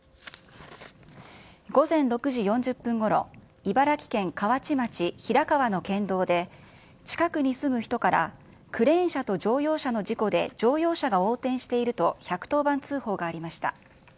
午前６時４０分ごろ、茨城県河内町平川の県道で、近くに住む人から、クレーン車と乗用車の事故で、乗用車が横転していると１１０番通報がありました。